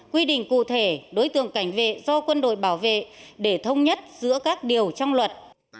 quy định cụ thể đối tượng cảnh vệ do quân đội bảo vệ để thông nhất giữa các điều trong luật